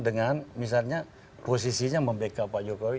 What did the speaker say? dengan misalnya posisinya membackup pak jokowi